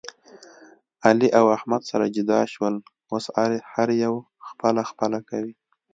علي او احمد سره جدا شول. اوس هر یو خپله خپله کوي.